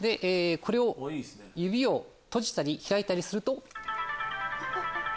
指を閉じたり開いたりすると。